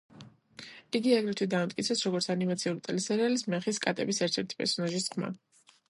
იგი აგრეთვე დაამტკიცეს როგორც ანიმაციური ტელესერიალის „მეხის კატების“ ერთ-ერთი პერსონაჟის ხმა.